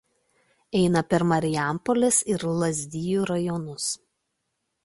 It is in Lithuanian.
Eina per Marijampolės ir Lazdijų rajonus.